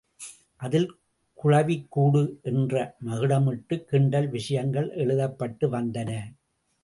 அதில் குளவிக் கூடு என்ற மகுடமிட்டு கிண்டல் விஷயங்கள் எழுதப்பட்டு வந்தன.